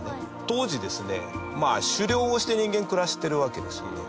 当時ですね、狩猟をして人間、暮らしてるわけですよね。